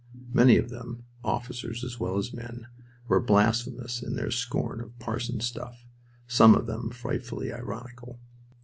Many of them officers as well as men were blasphemous in their scorn of "parson stuff," some of them frightfully ironical.